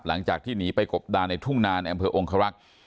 หลังจากที่หนีไปกบดานในทุ่งนานอำเภอองครักษ์